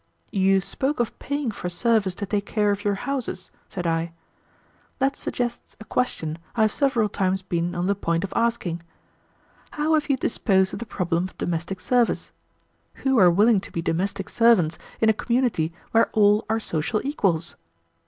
"You spoke of paying for service to take care of your houses," said I; "that suggests a question I have several times been on the point of asking. How have you disposed of the problem of domestic service? Who are willing to be domestic servants in a community where all are social equals?